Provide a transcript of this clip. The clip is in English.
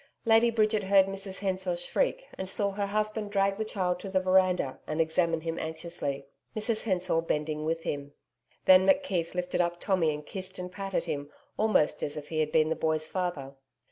Lady Bridget heard Mrs Hensor shriek and saw her husband drag the child to the veranda and examine him anxiously, Mrs Hensor bending with him. Then McKeith lifted up Tommy and kissed and patted him almost as if he had been the boy's father.